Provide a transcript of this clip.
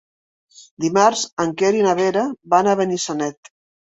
Dimarts en Quer i na Vera van a Benissanet.